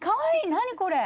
何これ？